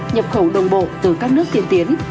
nhập khẩu đồng bộ từ các nước tiên tiến